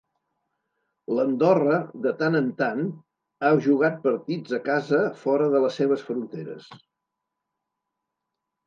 L'Andorra, de tant en tant ha jugat partits a casa fora de les seves fronteres.